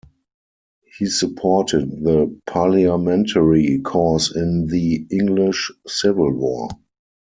He supported the Parliamentary cause in the English Civil War.